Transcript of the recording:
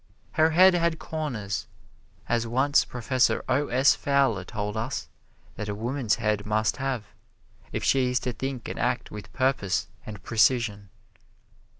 Her head had corners, as once Professor O. S. Fowler told us that a woman's head must have, if she is to think and act with purpose and precision.